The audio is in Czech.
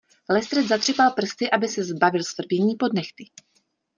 Lestred zatřepal prsty aby se zbavil svrbění pod nehty.